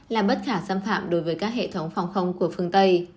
làm bất khả xâm phạm đối với các hệ thống phòng không của phương tây